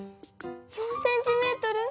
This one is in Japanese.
４ｃｍ？